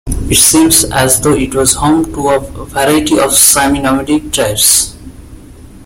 It seems as though it was home to a variety of semi-nomadic tribes.